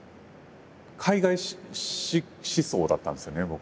海外思想だったんですよね僕。